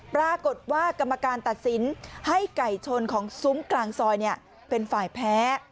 ปรากฏว่ากรรมการตัดสินให้ไก่ชนของซุ้มกลางซอยเป็นฝ่ายแพ้